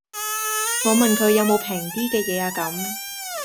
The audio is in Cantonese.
我問佢有無平啲既野呀咁